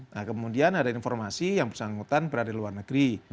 nah kemudian ada informasi yang bersangkutan berada di luar negeri